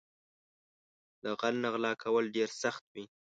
له غل نه غلا کول ډېر سخت وي